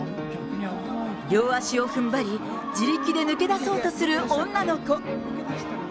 両足をふんばり、自力で抜け出そうとする女の子。